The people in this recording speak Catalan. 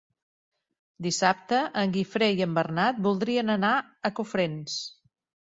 Dissabte en Guifré i en Bernat voldrien anar a Cofrents.